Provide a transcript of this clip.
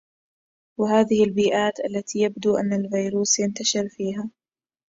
وهذه البيئات هي التي يبدو أن الفيروس ينتشر فيها